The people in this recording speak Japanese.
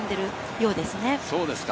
そうですか。